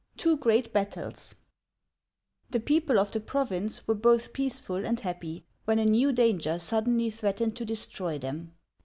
TWO GREAT BATTLES THE people of the Province were both peaceful and happy, when a new danger suddenly threatened to destroy them.